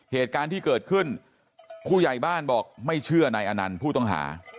เหตุการณ์ที่เกิดขึ้นผู้ใหญ่บ้านบอกไม่เชื่อนายอนันต์ผู้ต้องหา